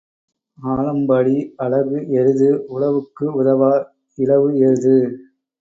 ஆலம்பாடி அழகு எருது உழவுக்கு உதவா இழவு எருது.